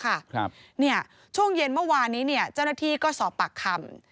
ครับเนี่ยช่วงเย็นเมื่อวานนี้เนี่ยเจ้าหน้าที่ก็สอบปากคำ